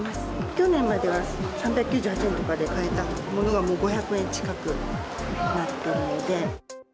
去年までは３９８円とかで買えたものが、もう５００円近くになっているので。